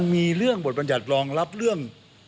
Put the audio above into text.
มีเรื่องบทบรรยัติรองรับเรื่อง